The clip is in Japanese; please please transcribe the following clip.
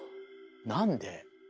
なんで？